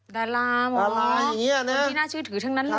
ดาราหมอปลาที่น่าเชื่อถือทั้งนั้นเลย